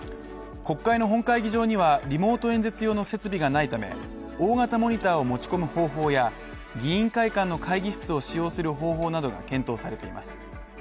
国会の本会議場には、リモート演説用の設備がないため大型モニターを持ち込む方法や、議員会館の会議室を使用する方法などが検討されています。